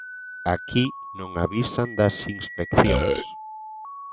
Aquí non avisan das inspeccións.